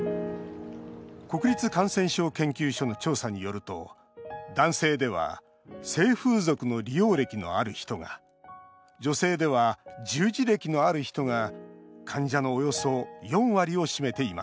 国立感染症研究所の調査によると男性では性風俗の利用歴のある人が女性では従事歴のある人が患者のおよそ４割を占めています。